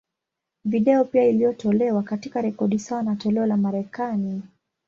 Video pia iliyotolewa, katika rekodi sawa na toleo la Marekani.